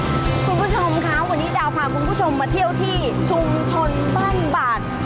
คุณผู้ชมคะวันนี้ดาวพาคุณผู้ชมมาเที่ยวที่ชุมชนบ้านบาด